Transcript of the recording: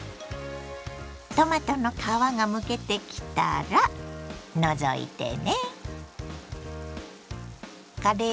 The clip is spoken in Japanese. トマトの皮がむけてきたら除いてね。